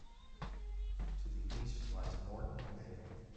To the east lies Moreton Bay.